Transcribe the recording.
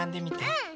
うん！